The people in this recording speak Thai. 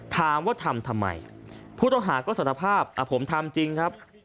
ถามว่าทำทำไมผู้ต้องหาก็สารภาพผมทำจริงครับ